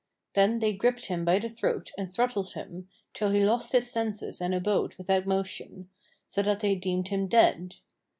Then they gripped him by the throat and throttled him, till he lost his senses and abode without motion; so that they deemed him dead.